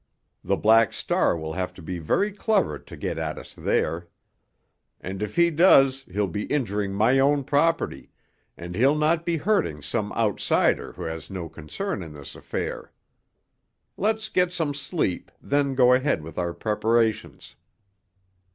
The Black Star will have to be very clever to get at us there. And if he does he'll be injuring my own property, and he'll not be hurting some outsider who has no concern in this affair. Let's get some sleep, then go ahead with our preparations."